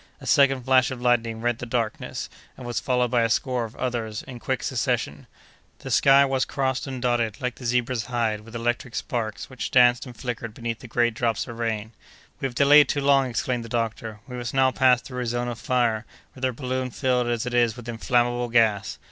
A second flash of lightning rent the darkness, and was followed by a score of others in quick succession. The sky was crossed and dotted, like the zebra's hide, with electric sparks, which danced and flickered beneath the great drops of rain. "We have delayed too long," exclaimed the doctor; "we must now pass through a zone of fire, with our balloon filled as it is with inflammable gas!"